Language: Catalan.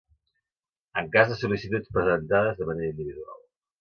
En cas de sol·licituds presentades de manera individual.